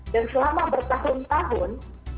dan selama bertahun tahun